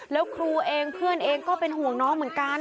แล้วครูเองเพื่อนเองก็เป็นห่วงน้องเหมือนกัน